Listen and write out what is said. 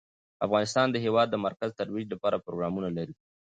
افغانستان د هېواد د مرکز ترویج لپاره پروګرامونه لري.